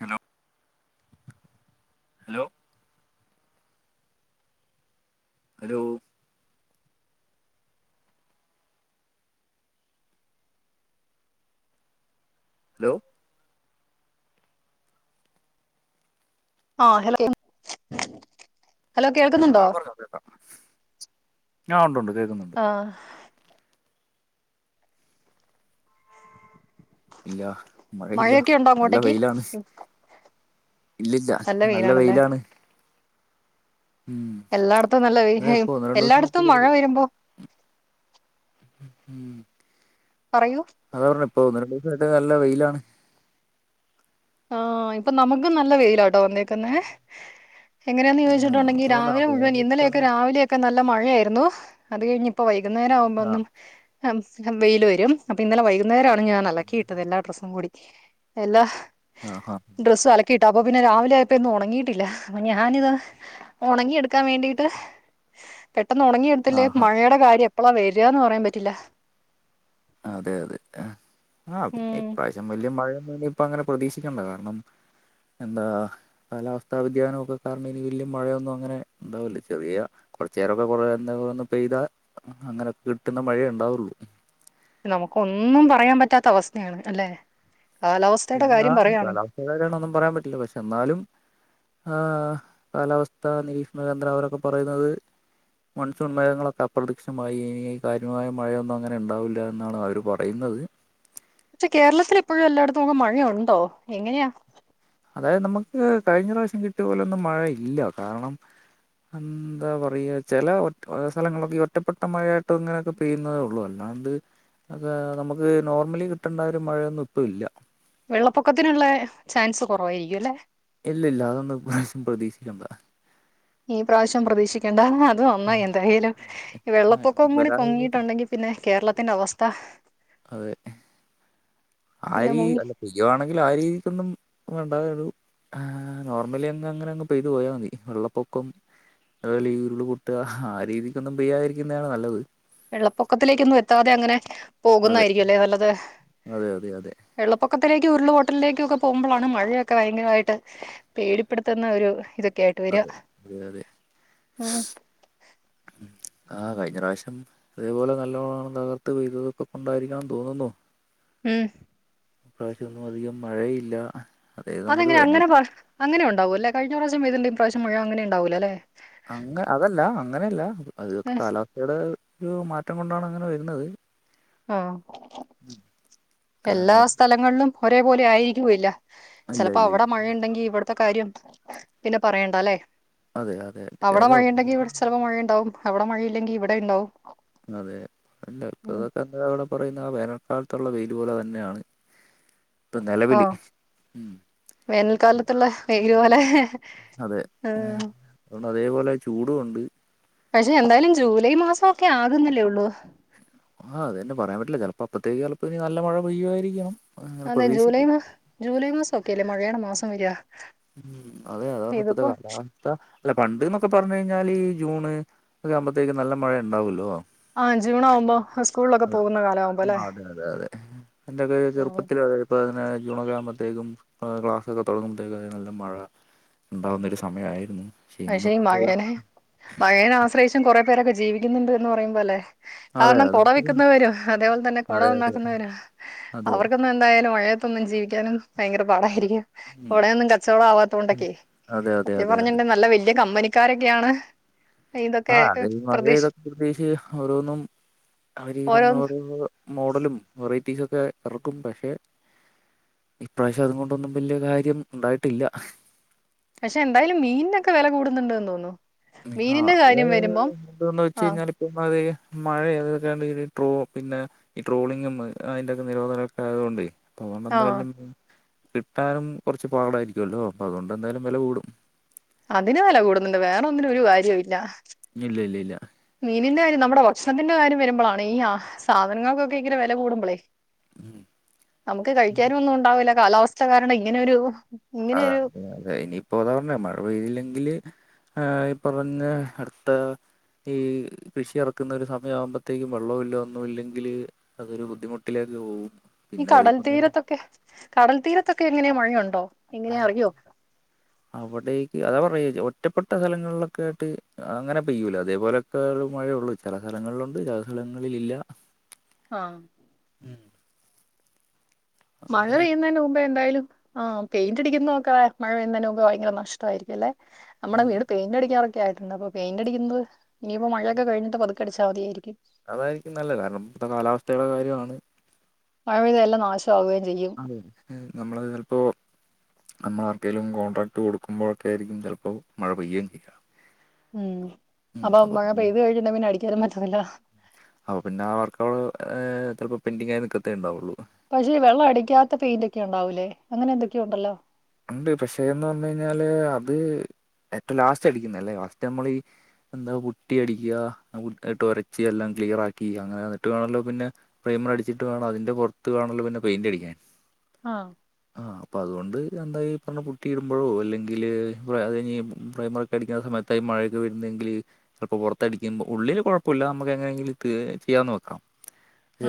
Hello hello hello hello ആഹ് hello hello കേൾക്കുന്നു ആഹ് പറഞ്ഞോ കേക്കാം ആഹ് ഉണ്ട് ഉണ്ട് കേക്കുന്നുണ്ട് ആഹ് ഇല്ല മഴയില്ല മഴയൊക്കെ ഉണ്ടോ നല്ല അങ്ങോട്ടേക്ക് വെയിലാണ് ഇല്ലില്ല നല്ല വെയിലാണ് ഉം എല്ലാടത്തും നല്ല അതെ വെയില ഇപ്പൊ ഒന്ന് രണ്ട് ദിവസായിട്ട് എല്ലാടത്തും മഴ വരുമ്പോ ഉം പറയൂ അതാ പറഞ്ഞെ ഇപ്പോ ഒന്ന് രണ്ട് ദിവസായിട്ട് നല്ല വെയിലാണ് ആഹ് ഇപ്പൊ നമുക്കും നല്ല വെയിലാട്ടോ വന്നേക്കുന്നെ എങ്ങനെയാന്ന് ആഹ് ചോദിച്ചിട്ടുണ്ടെങ്കി അതാ പറഞ്ഞെ ആ രാവിലെ മുഴുവൻ ഇന്നലെയൊക്കെ വേനൽക്കാലം രാവിലെയൊക്കെ നല്ല മഴയായിരുന്നു അത് കഴിഞ്ഞിപ്പ വൈകുന്നേരാവുമ്പോന്നും ആഹ് അം വെയില് വരും അപ്പൊ ഇന്നലെ വൈകുന്നേരാണ് ഞാൻ അലക്കിയിട്ടത് എല്ലാ ഡ്രസ്സും കൂടി എല്ലാ ആഹ് ഹാ ഡ്രസ്സ് അലക്കിയിട്ട് അപ്പൊ പിന്നെ രാവിലായപ്പോന്ന് ഉണങ്ങിയിട്ടില്ല ഞാനിത് ഒണങ്ങി എടുക്കാൻ വേണ്ടിട്ട് പെട്ടെന്ന് ഒണങ്ങിയെടുത്തില്ലേ ആഹാ മഴയുടെ കാര്യ എപ്പഴാ വരാന്ന് പറയാൻ പറ്റില്ല അതെ അതെ ആഹ് ആഹ് പിന്നെ ഉം ഇപ്രാവശ്യം വല്യ മഴയൊന്നും ഇപ്പങ്ങനെ പ്രതീക്ഷിക്കണ്ട കാരണം എന്താ കാലാവസ്ഥ വ്യതിയാനമൊക്കെ കാരണം ഇനി വല്യ മഴയൊന്നും അങ്ങനെ ഇണ്ടാവില്ല ചെറിയ കുറച്ചെരൊക്കെ കൊറെ എന്താന്ന് പെയ്താ അങ്ങനെ കിട്ടുന്ന മഴയെ ഉണ്ടാവറുള്ളു നമുക്കൊന്നും പറയാൻ പറ്റാത്ത അവസ്ഥയാണ് അല്ലെ കാലാവസ്ഥയുടെ കാര്യം പറയാണെങ്കി [unintelligible] ന്നും പറയാൻ പറ്റില്ല പക്ഷെ എന്നാലും ആഹ് കാലാവസ്ഥാ നിരീക്ഷണ കേന്ദ്ര അവരൊക്കെ പറയുന്നത് മനുഷ്യ ഉന്മേതങ്ങളൊക്കെ അപ്രത്യക്ഷമായി ഇനി കാര്യമായ മഴയൊന്നങ്ങനെ ണ്ടാവില്ലന്നാണ് അവർ പറയുന്നത് പക്ഷെ കേരളത്തിൽ എപ്പോഴും എല്ലായിടത്തും നമുക്ക് മഴയുണ്ടോ എങ്ങനെയാ അതായത് നമുക്ക് കഴിഞ്ഞ പ്രാവശ്യം കിട്ടിയപോലെയോന്നും മഴയില്ല കാരണം എന്താ പറയാ ചില ഒറ്റ സ്ഥലങ്ങളൊക്കെ ഒറ്റപ്പെട്ട മഴയായിട്ട് ഇങ്ങനൊക്കെ പെയ്യുന്നതേ ഉള്ളൂ അല്ലാണ്ട് ഒക്കെ നമുക്ക് നോർമലി കിട്ടേണ്ട ഒരു മഴയൊന്നും ഇപ്പം ഇല്ല വെള്ളപ്പൊക്കത്തിനുള്ള ചാൻസ് കുറവായിരിക്കും അല്ലെ ഇല്ലില്ല അതൊന്ന് ഈ പ്രാവശ്യം പ്രതീക്ഷിക്കേണ്ട ഈ പ്രാവശ്യം പ്രതീക്ഷിക്കേണ്ട അത് നന്നായി എന്തായാലും ആ, ഇനി വെള്ളപ്പൊക്കം കൂടി വരാൻ പൊങ്ങിയിട്ടുണ്ടെങ്കിൽ പിന്നെ കേരളത്തിൻ്റെ അവസ്ഥ അതെ പിന്നെ ആരീ മുങ്ങി അല്ല പെയ്യുവാണെങ്കിൽ ആ രീതിക്കൊന്നും വേണ്ടാതുള്ളു നോർമലി അങ്ങ് അങ്ങനെ അങ്ങ് പെയ്തു പോയാൽ മതി വെള്ളപ്പൊക്കം അതുപോലെ ഈ ഉരുള് പൊട്ടുക ആ രീതിക്കൊന്നും പെയ്യാതിരിക്കുന്നതാണ് നല്ലത് വെള്ളപ്പൊക്കത്തിലേക്കൊന്നും എത്താതെ അങ്ങനെ അതെ പോകുന്നതായിരിക്കും അല്ലെ നല്ലത് അതെ അതെ അതെ വെള്ളപ്പൊക്കത്തിലേക്കും ഉരുൾപൊട്ടലിലേക്കും ഒക്കെ പോകുമ്പോഴാണ് മഴയൊക്കെ ഭയങ്കരമായിട്ട് പേടിപ്പെടുത്തുന്ന ഒരു ഇതൊക്കെ ആയിട്ട് വരിക അതെ അതെ അതെ ആഹ് ആഹ് കഴിഞ്ഞ പ്രാവശ്യം അതേപോലെ നല്ലോണം തകർത്ത് പെയ്തതൊക്കെ കൊണ്ടായിരിക്കണമെന്ന് തോന്നുന്നു ഉം ഈ പ്രാവശ്യം ഒന്നും അധികം മഴയില്ല അതായത് നമുക്ക് അതെങ്ങനെ വേ അങ്ങനെ അങ്ങനെ ഉണ്ടാകുവല്ലേ. കഴിഞ്ഞ പ്രാവശ്യം മഴ അങ്ങനെ ഉണ്ടാവൂല്ലെ അങ്ങെ അതല്ല അങ്ങനെയല്ല അതൊക്കെ ഏഹ്. കാലാവസ്ഥയുടെ ഒരു മാറ്റം കൊണ്ടാണ് അങ്ങനെ വരുന്നത്. ആഹ് എല്ലാ കാരണം സ്ഥലങ്ങളിലും ഒരേപോലെ ആയിരിക്കുകില്ല ഇല്ല ചിലപ്പോ ഇല്ല ഇല്ല. അവിടെ മഴയുണ്ടെങ്കി ഇവിടത്തെ കാര്യം പിന്നെ പറയണ്ടാ ല്ലേ അതെ അതെ അതെ അവിടെ അതോ മഴയുണ്ടെങ്കി ഇവിടെ ചിലപ്പോ മഴയുണ്ടാവും അവടെ മഴയില്ലെങ്കി ഇവിടെ ഇണ്ടാവും അതെ അല്ല ഇപ്പം ഇതൊക്കെ എന്തിനാ ഇവിടെ പറയുന്ന ആ വേനൽക്കാലത്തുള്ള വെയില് പോലെ തന്നെയാണ് ഇപ്പം ആ നിലവിൽ ഉം വേനൽക്കാലത്തുള്ള വെയിലു പോലെ അതെ ഉം. അതുകൊണ്ട് അതേപോലെ ചൂടും ഉണ്ട് പക്ഷെ എന്തായാലും ജൂലൈ മാസം ഒക്കെ ആകുന്നല്ലേ ഉള്ളൂ ആഹ് അത് തന്നെ പറയാൻ പറ്റില്ല ചിലപ്പോ അപ്പഴത്തേക്ക് ചിലപ്പോൾ ഇനി നല്ല മഴ പെയ്യുമായിരിക്കണം അങ്ങനെ അതെ ജൂലൈ പ്രതീക്ഷിക്കാം മാ ജൂലൈ മാസം ഒക്കെ അല്ലേ മഴയുടെ മാസം വരിക ഉം അതെ അതാ [unintelligible] ഇപ്പഴത്തെ ഇതിപ്പോ കാലാ അല്ല പണ്ട് എന്നൊക്കെ പറഞ്ഞു കഴിഞ്ഞാല് ഈ ജൂണ് ഒക്കെ ആകുമ്പോത്തേക്കും നല്ല മഴ ഉണ്ടാവല്ലോ ആഹ് ജൂണാകുമ്പോ ഹസ് അ അതെ അതെ അതെ എന്റെയക്കെ ചെറുപ്പത്തില് അതെ ഇപ്പോൾ അങ്ങെ ജൂൺ ഒകെ [unintelligible] ആുമ്പഴത്തേക്കും ക്ലാസ്സൊക്കെ തുടങ്ങുമ്പോഴത്തേക്ക് നല്ല മഴ ഉണ്ടാവുന്ന ഒരു സമയമായിരുന്നു. പക്ഷെ പക്ഷേ ഈ ഇന്നത്തെ മഴനെ മഴനെ ആശ്രയിച്ചും കൊറെ പേരൊക്കെ ജീവിക്കുന്നുണ്ടെന്ന് പറയുമ്പോ അല്ലെ. അതെ കാരണം അതും കുട ശരിയാണ് വിൽക്കുന്നവരും അതേപോലെ തന്നെ കുട അതെ അതെ നന്നാക്കുന്നവരും അതെ അവർക്ക്. ഇന്ന് എന്തായാലും മഴയത്തൊന്നും ജീവിക്കാനും ഭയങ്കര പാടായിരിക്കും. ഉം കുടയൊന്നും കച്ചവടം ആവാത്ത കൊണ്ടൊക്കെ അതെ, അതെ, സത്യം അതെ, അതെ. പറഞ്ഞിണ്ട് നല്ല വലിയ കമ്പനിക്കാരൊക്കെയാണ്. ഇതൊക്കെ ആഹ് അത് ഈ മഴ പ്രതീക്ഷ ഇതൊക്കെ പ്രത്യേകിച്ച് ഓരോന്നും അവര് ഓരോ പറഞ്ഞു പോലെ ഓരോ. മോഡലും വെറൈറ്റീസ് ഒക്കെ ഇറക്കും പക്ഷെ. ഇപ്രാവശ്യം അതുകൊണ്ടൊന്നും വലിയ കാര്യം ഉണ്ടായിട്ടില്ല. പക്ഷെ എന്തായാലും മീനിനൊക്കെ വില കൂടുന്നുണ്ട് എന്ന് തോന്നുന്നു. ആഹ് മീനിന്റെ കാര്യം അത് വരുമ്പം എന്താന്ന് വെച്ച് ആഹ് കഴിഞ്ഞാല്. ഇമ്മാതിരി മഴ ഏതിർക്കാണ്ട് പോവും, പിന്നെ. ഈ ട്രോളിങ്ങും അതിന്റ ഒക്കെ നിരോധനമൊക്കെ ആയതുകൊണ്ടെ. അതുകൊണ്ട് ആഹ് എന്തായാലും കിട്ടാനും കുറച്ച് പാടായിരിക്കുമല്ലോ, അപ്പം അതുകൊണ്ട് എന്തായാലും വില കൂടും. അതിന് വില കൂടുന്നുണ്ട്, വേറെ ഒന്നിനും ഒരു വാല്യൂ ഇല്ല. ഇല്ല ഇല്ല ഇല്ല മീനിന്റെ കാര്യം നമ്മുടെ ഭക്ഷണത്തിന്റെ കാര്യം വരുമ്പോഴാണ് ഈ ആഹ് സാധനങ്ങൾക്ക് ഒക്കെ ഇങ്ങനെ വില കൂടുമ്പോളേ. നമുക്ക് കഴിക്കാനും ഒന്നും ഉണ്ടാവില്ല, കാലാവസ്ഥ കാരണം ഇങ്ങനൊരു. അതെ, അതെ കഴിഞ്ഞു. ഇപ്പൊ അതാ പറഞ്ഞു മഴ പെയ്തില്ലെങ്കില് ഏഹ് ഈ പറഞ്ഞു അടുത്ത്. ഈ കൃഷി ഇറക്കുന്ന ഒരു സമയം ആകുമ്പോഴത്തേക്കും വെള്ളമില്ല ഒന്നും ഇല്ലെങ്കില്. അതൊരു ബുദ്ധിമുട്ടിലേക്ക് പോവും. ഈ കടൽ തീരത്തൊക്കെ കടൽ തീരത്തൊക്കെ എങ്ങനെയാ മഴയുണ്ടോ, എങ്ങനെയാ അറിയോ? അവിടേക്ക് അതാ പറഞ്ഞു ഈ ഒറ്റപ്പെട്ട സ്ഥലങ്ങളിലൊക്കെ ആയിട്ട് അങ്ങനെ പെയ്യൂല, അതേപോലെ. ഇപ്പോ ഏതായാലും മഴയുള്ളൂ ചില സ്ഥലങ്ങളിലുണ്ട് ചില സ്ഥലങ്ങളില്ല. ആഹ് മഴ അങ്ങനെ പെയ്യുന്നതിന് മുമ്പ് എന്തായാലും. ആഹ് പെയിന്റ്ടിക്കുന്നത് ഒക്കെ മഴ പെയ്യുന്നതിന് മുൻപേ ഭയങ്കര നഷ്ടമായിരിക്കും അല്ലെ, നമ്മുടെ ഉം വീട്. പെയിന്റ് അടിക്കാനൊക്കെ ആയിട്ടുണ്ട് അപ്പോ പെയിന്റ്ടിക്കുന്നത് ഇനിയിപ്പോ മഴയൊക്കെ കഴിഞ്ഞിട്ട് പതുക്കെ അടിച്ചാൽ മതിയായിരിക്കും. അതായിരിക്കും നല്ലത്, കാരണം ഇപ്പത്തെ കാലാവസ്ഥയുടെ കാര്യയാണ്. മഴപെയ്താൽ എല്ലാ നാശം. ആവുകയും ചെയ്യും. അതെ നമ്മള് ചിലപ്പോ. നമ്മൾ ആർക്കേലും കോൺട്രാക്ട് കൊടുക്കുമ്പോഴൊക്കെ ആയിരിക്കും, ചിലപ്പോൾ മഴ പെയ്യുകയും ചെയ്യുന്നു. ഉം അപ്പൊ മഴ പിന്നെ പെയ്തു കഴിഞ്ഞാൽ പിന്നെ അടിക്കാനും പറ്റത്തില്ല. അപ്പോ പിന്നെ ആഹ് വർക്ക്‌ അവിടെ ആഹ് ചിലപ്പോൾ പെന്റിങ് ആയി നിൽക്കത്തേ ഉണ്ടാവുള്ളൂ. പക്ഷേ വെള്ളം അടിക്കാത്ത പെയിന്റ് ഒക്കെ ഉണ്ടാവൂലേ, അങ്ങനെ എന്തൊക്കെയോ ഉണ്ടല്ലോ. ഉണ്ട് പക്ഷേ എന്ന് പറഞ്ഞു കഴിഞ്ഞാല് അത് ഏറ്റവും ലാസ്റ്റ് അടിക്കുന്നല്ലേ ഫസ്റ്റ് നമ്മളെ ഈ. എന്താ പുട്ടി അടിക്കുക പുട്ടിയിട്ട് വരച്ചു എല്ലാം ക്ലിയർ ആക്കി അങ്ങനെ എന്നിട്ട് വേണല്ലോ പിന്നെ. പ്രൈമർ അടിച്ചിട്ട് വേണം അതിന്റെ പുറത്ത് വേണോലോ പിന്നെ പെയിന്റ് അടിക്കാൻ. ആഹ് ആഹ് അപ്പം അതുകൊണ്ട്. എന്താ ഈ പറഞ്ഞു പുട്ടി ഇടുമ്പോഴോ അല്ലെങ്കിൽ അത് കഴിഞ്ഞു പ്രൈമർ ഒക്കെ അടിക്കുന്ന സമയത്ത്. ഇപ്പൊ മഴയൊക്കെ വരുന്നെങ്കിൽ. അപ്പൊ പുറത്തടിക്കുമ്പോ ഉള്ളില് കുഴപ്പമില്ല നമ്മുക്ക് എങ്ങനെങ്കിലും തി ചെയ്യാന് വെക്കാം.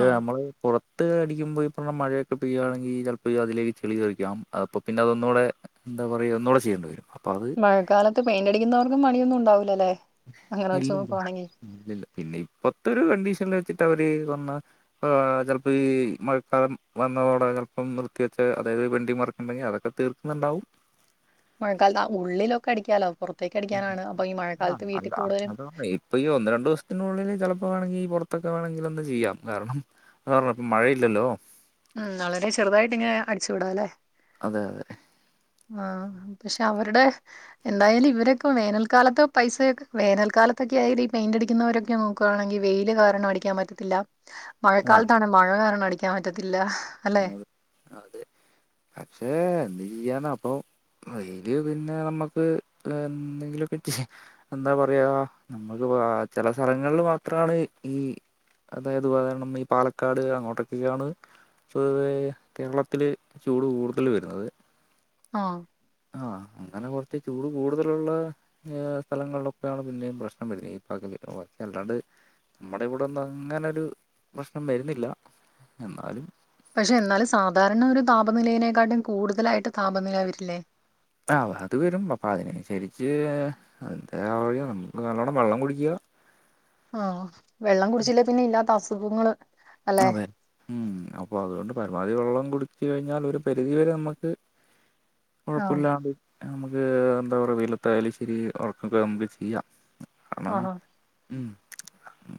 ആ നമ്മള് പുറത്ത്. തട്ട് അടിക്കുമ്പോ ഈ പറഞ്ഞ മഴയൊക്കെ പെയ്യണെങ്കിൽ ചപ്പോ അതിലേക്ക് ചളി കറിക്കാം അം പിന്നെ അതൊന്നൂടെന്ത പറയ ഒന്നൂടെ ചെയ്യേണ്ട വരും അപ്പോൾ അത് മഴക്കാലത്ത് പെയിന്റ്ടിക്കുന്നവർക്ക പണിയൊന്നും ഉണ്ടാവില്ലല്ലേ ഇല്ലില്ല ഇല്ലില്ല പിന്നെ ഇപ്പത്തെ ഒരു കണ്ടീഷനിൽ വെച്ചിട്ട് അവര് കൊന്ന ചപ്പോ ഈ മഴക്കാലം വന്നതോടെ ചിലപ്പോം നിർത്തിവെച്ച അതായത് വെൻഡിങ് മർക്ക ഉണ്ടെങ്കിൽ അതൊക്കെ തീർ ഇണ്ടൗ മഴക്കാലത്ത് ആ ഉള്ളിലൊക്കെ അടിക്കാലോ പുറത്തേക്ക് അടിക്കാനാണ് അപ്പൊ ഈ ആ മഴക്കാലത്ത് വീട്ടിൽ അല്ല കൂടുതലും അതാണ് ഇപ്പൊ ഈ ഒന്ന് രണ്ട ദസത്തിനുള്ളിൽ ചിലപ്പോ വേണമങ്ക ഈ പുറത്തൊക്കെ വേണമെങ്കിൽ ഒന്ന് ചെയ്യാം കാരണം സ ഇപ്പം മഴയില്ലല്ലോ ഉം വളരെ ചെറുതായിട്ട് ഇങ് അടിച്ചുവിടാം അല്ലെ അതെ അതെ ആഹ് പക്ഷെ അവരുടെ എന്തായാലും ഇവരൊക്കെ വേനൽക്കാലത്ത് പൈസൊക്കെ വേനൽക്കാലത്തൊക്കെ ആയാല ഈ പെയിന്റ് എടുക്കുന്നവരൊക്കെ നോക്ക പക്കവാണെങ്കി വെയില് കാരണം അടിക്കാൻ പറ്റത്തില്ല ആ മഴക്കാലത്താണ മഴ കാരണം അടിക്കാൻ പറ്റത്തില്ല അല്ലെ അതെ അതെ പക്ഷെ എന്ത് ചെയ്യാന അപ്പൊ അയ്ല് പിന്നെ നമ്മുക്ക് എന്തെങ്കിലൊക്കെ ചെയ്യാ എന്താ പറയാ നമ്മുക്ക് ചില സ്ഥലങ്ങളിൽ മാത്രമാണ് ഈ അതായത് ഉദാഹരണം ഈ പാലക്കാട് അങ്ങോട്ടൊക്കെയാണ് പൊതുവെ കേരളത്തിൽ ചൂട് കൂടുതൽ വരുന്നത് ആഹ് ആഹ് അങ്ങനെ കൊറച്ച് ചൂട് കൂടുതലുള്ള എഹ് സ്ഥലങ്ങളിലൊക്കെ ആണ് പിന്നേം പ്രശ്നം വരുന്നത് ഈ പകല് ബാക്കി അല്ലാണ്ട് നമ്മടെ ഇവിടൊന്നും അങ്ങനരു പ്രശ്നം വരുന്നില്ല എന്നാലും പക്ഷെ എന്നാലും സാധാരണ ഒരു താപനിലയിനെക്കാട്ടിം കൂടുതലായിട്ട് താപനില വരില്ലേ ആഹ് അത് വരും അപ്പം അതിനനുസരിച്ച് എന്താ പറയ നമ്മക് നല്ലോണ്ണം വെള്ളം കുടിക്ക ആഹ് വെള്ളം കുടിച്ചില്ലേ പിന്നെ ഇല്ലാത്ത അസുഖങ്ങള് അല്ലെ അതെ ഉം അപ്പൊ അതുകൊണ്ട് പരമാവധി വെള്ളം കുടിച്ച് കഴിഞ്ഞാൽ ഒരു പരിധിവരെ നമുക്ക് ആ കൊഴപ്പില്ലാണ്ട് നമുക്ക് എന്താ പറയാ വെയിലത്തായാലും ശരി വർക്കൊക്കെ നമുക്ക് ചെയ്യാം കാണം ആ ഉം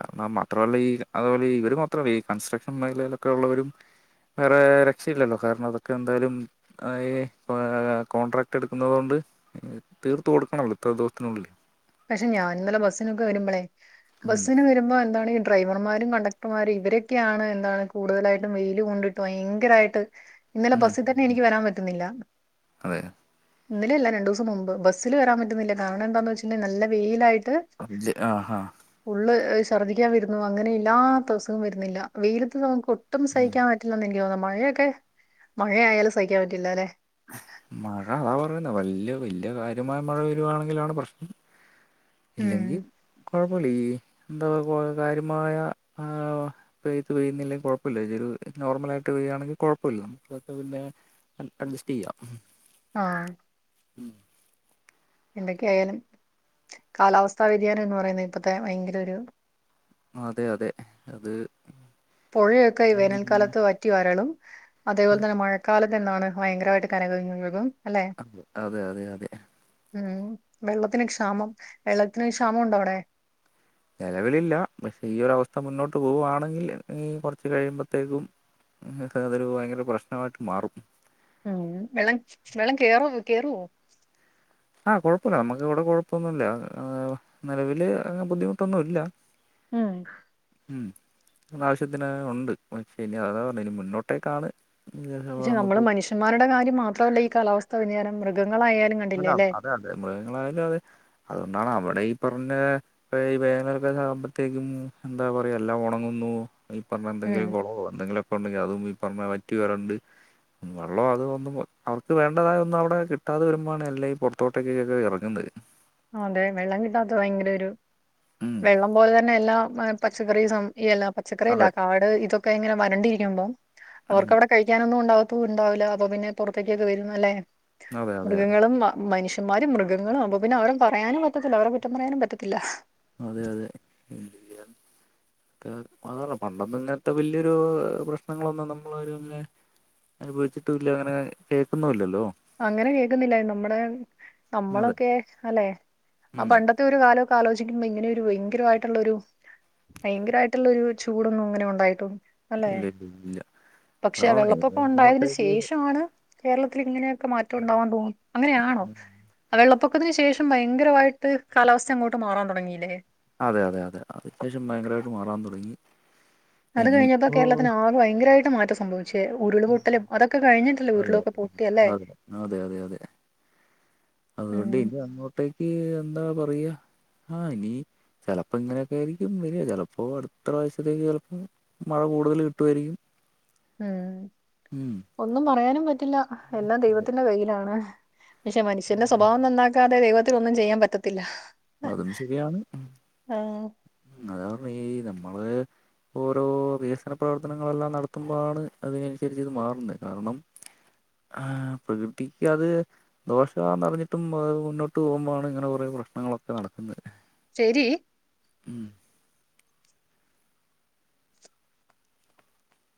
കാണം മാത്രമല്ല ഈ അത്പോലെ ഈ ഇവര് മൊ ത്ര ഈ കൺസ്ട്രക്ഷൻ മേഖലയിലൊക്കെ ഉള്ളവരും വേറെ രക്ഷയില്ലല്ലോ കാരണം അതൊക്കെ എന്തായാലും അയേ പ്പ കോൺട്രാക്ട് എടുക്കുന്നുന്നത് കൊണ്ട് തീർത്ത് കൊടുക്കണല്ലോ ഇത്ര ദിവസത്തിനുള്ളില് പക്ഷെ ഞാൻ ഇന്നലെ ബസ്സിനൊക്കെ വരുമ്പോളേ ഉം ബസ്സിന് വരുമ്പോ എന്താണീ ഡ്രൈവർമാരും കണ്ടക്ടർമാരും ഇവരൊക്കെയാണ് എന്താണ് കൂടുതലായിട്ടും വെയിൽ കൊണ്ടിട്ട് ഭയങ്കരായിട്ട് ഇന്നലെ ഉം ബസ്സി തന്നെ എനിക്ക് വരാൻ പറ്റുന്നില്ല അതെ ഇന്നലല്ല രണ്ടുസംമുമ്പ് ബസ്സില് വരാൻ പറ്റുന്നില്ല കാരണം എന്താന്ന് വെച്ചിണ്ടെ നല്ല വെയിലായിട്ട് അജ് ആഹ് ആഹ് ഉള്ള് എഹ് ഛർദിക്കാൻ വരുന്നു അങ്ങനെ ഇല്ലാത്ത അസുഖം വരുന്നില്ല വെയിലത്ത് നമുക്ക് ഒ ഒട്ടും സഹിക്കാൻ പറ്റില്ലന്ന് എനിക്ക് തോന്നുന്നു മഴയൊക്കെ മഴയാലും സഹിക്കാൻ പറ്റില്ലാല്ലെ മഴ അതാ പറയുന്നെ വല്യ വല്യ കാര്യമായ മഴ വരുവാണെങ്കിലാണ് പ്രശ്നം ഉം ഇല്ലെങ്കിൽ കൊഴപ്പുല്ല ഈ എന്താ കാര്യമായ ആ പെയ്ത് പെയ്യുന്നില്ലേ കൊഴപ്പല്ല ഇന ഒരു നോർമലായിട്ട് പെയ്യുണെങ്കിൽ കൊഴപ്പുല്ല നമുക്കൊക്കെ പിന്നെ അഡ്ജസ്റ്റീയ്യാം ആഹ് ഉം എന്തൊക്കെ ആയാലും കാലാവസ്ഥാ വ്യതിയാനം എന്ന് പറയുന്നത് ഇപ്പത്തെ ഭയങ്കര ഒരു അതെ അതെ അത് പൊഴയൊക്കെ ഈ വേനൽക്കാലത്ത് വറ്റി വരളും. അതേപോലെ തന്നെ മഴക്കാലത്ത് ന്താണ് ഭയങ്കരായിട്ട് കര കവിഞ്ഞൊഴുകും അല്ലെ? അ അതെ അതെ അതെ. ഉം വെള്ളത്തിന് ക്ഷാമം വെള്ളത്തിന് ക്ഷാമൊണ്ടോ അവിടെ? നെലവിലില്ല. പക്ഷെ ഈ ഒരവസ്ഥ മുന്നോട്ട് പോവാണെങ്കിൽ കൊറച്ചു കഴിയുമ്പത്തേക്കും ഇങ്ങക്ക് അതൊരു ഭയങ്കര പ്രശ്നമായിട്ട് മാറും. ഉം വെള്ളം വെള്ളം കേറൊ കേറോ? ആഹ് കൊഴപ്പുല്ല നമുക്ക് ഇവിടെ കൊഴപ്പൊന്നുല്ല. നിലവില് അങ്ങനെ ബുദ്ധിമുട്ടൊന്നും ഇല്ല. ഉം ഉം ആവശ്യത്തിന് ഉണ്ട്. പക്ഷേ ഇനി അതാ പറഞ്ഞെ ഇനി മുന്നോട്ടേക്കാണ് പക്ഷെ നമ്മള് നമുക്ക് മനുഷ്യന്മാരുടെ കാര്യം മാത്രമല്ല ഈ കാലാവസ്ഥ വ്യതിയാനം മൃഗങ്ങളായാലും ങ്ങ അല്ല അതെ അതെ. മൃഗങ്ങളായാലും അതെ അതൊണ്ടാണ് അവിടെ ഈ പറഞ്ഞ ഇപ്പ ഈ വേനൽകാല ആവുമ്പത്തേക്കും എന്താ പറയാ എല്ലാം ഒണങ്ങുന്നു. ഈ പറഞ്ഞ ഉം എന്തെങ്കിലും കൊളോ എന്തെങ്കിലൊക്കെ ഉണ്ടെങ്കി അതും ഈ പറഞ്ഞ വറ്റി വരണ്ട് വെള്ളോ അത് ഒന്നും അവർക്ക് വേണ്ടതായ ഒന്നും അവിടെ കിട്ടാതെ വരു മ്പാണ് എല്ലാംഈ പൊറത്തോട്ടൊക്കെക്കെ എറങ്ങുന്ന്. അതെ. വെള്ളം കിട്ടാത്ത ഭയങ്കര ഒരു ഉം വെള്ളം പോലെ തന്നെ എല്ലാം അ പച്ചക്കറി സം എല പച്ചക്കറി അതെ അല്ലാട്ടാ ആടെ ഇതൊക്കെ ഇങ്ങനെ വരണ്ടിരിക്കുമ്പോ ഉം അവർക്ക് അവടെ കഴിക്കാനൊന്നും ഉണ്ടാവത്തു ണ്ടാവില്ല. അപ്പൊ പിന്നെ പൊറത്തേക്കൊക്കെ വരുന്നു അല്ലേ. അതെ അതെ അതെ മൃഗങ്ങളും മ മനുഷ്യ മാരും മൃഗങ്ങളും അപ്പോ പിന്നെ അവരെ പറയാനും പറ്റത്തില്ല. അവരെ കുറ്റം പറയാനും പറ്റത്തില്ല. അതെ അതെ എന്തയ്യാ [inaudible] ത് അത്പറ പണ്ടെത്തെ ഇങ്ങനത്തെ വലിയൊരു പ്രശ്നങ്ങളൊന്നും നമ്മൾ ആരും ഇങ്ങനെ അനുഭവിച്ചിട്ടൂല്ല അങ്ങനെ കേക്കുന്നൂല്ലല്ലോ അങ്ങനെ കേക്കുന്നില്ല നമ്മുടെ അതെ നമ്മളൊക്കെ അല്ലെ ആ ഉം പണ്ട ത്ത ഒരു കാലമൊക്കെ ആലോചിക്കുമ്പോ ഇങ്ങനെ ഒരു ഭയങ്കരമായിട്ടുള്ള ഒരു ഭയങ്കരമായിട്ടുള്ളൊരു ചൂടൊന്നും ഇങ്ങനെ ഉണ്ടായിട്ടൊന്നൂല്ല. അല്ലെ ഇല്ല ഇല്ല ഇല്ല പക്ഷേ അതാണ് വെള്ളപ്പൊക്കം ഉണ്ടായതിന് അങ്ങോട്ടേക്ക് ശേഷമാണ് കേരളത്തിൽ ഇങ്ങനെയൊക്കെ മാറ്റം ഉണ്ടാവാൻ തോന്നു അങ്ങനെയാണോ? അ വെള്ളപ്പൊ ക്കത്തിന് ശേഷം ഭയങ്കരമായിട്ട് കാലാവസ്ഥ അങ്ങോട്ട് മാറാൻ തൊടങ്ങിയില്ലേ? അതെ അതെ അതെ അത്ക്ക്ശേഷം ഭയങ്കരമായിട്ട് മാറാൻ തൊടങ്ങി. അത്കഴിഞ്ഞപ്പോ കേരളത്തിന് ആകെ ഭയങ്കരമായിട്ട് മാറ്റം സംഭവിച്ചു. പക്ഷെ ഉരുളു പൊട്ടലും അതൊക്കെ കഴിഞ്ഞിട്ടല്ലേ അതെ ഉരുളുക്കെ പൊട്ടി അല്ലേ? അതെ അത്കൊണ്ട് ഇനി അങ്ങോട്ടേക്ക് എന്താ പറയ ആഹ് ഇനി ചെലപ്പോ ഇങ്ങനെയൊക്കെ ആയിരിക്കും വരിക ചിലപ്പോ അടുത്ത പ്രാവിശ്യത്തേക്ക് ചിലപ്പോ മഴ കൂടുതല് കിട്ടുമായിരിക്കും. ഉം ഉം ഒന്നും പറയാനും പറ്റില്ല എല്ലാം ദൈവത്തിന്റെ കയ്യിലാണ്. പക്ഷെ മനുഷ്യന്റെ സ്വഭാവം നന്നാക്കാതെ ദൈവത്തിനൊന്നും ചെയ്യാൻ പറ്റത്തില്ല. അതും ശരിയാണ്. ആഹ് അത [unintelligible] ഈ നമ്മള് ഓരോ വികസന പ്രവർത്തനങ്ങളെല്ലാം നടത്തുമ്പോഴാണ് അതിനനുസരിച് ഇത് മാറുന്നേ. കാരണം ആഹ് പ്രകൃതിക്കത് ദോഷാന്ന് അറിഞ്ഞിട്ടും അത് മുന്നോട്ട് പോകുമ്പാണ് ഇങ്ങനെ കൊറെേ പ്രശ്നങ്ങളൊക്കെ നടക്കുന്നേ. ശരി ഉം